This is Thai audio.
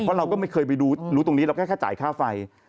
เพราะเราก็ไม่เคยไปดูรู้ตรงนี้เราแค่จ่ายค่าไฟ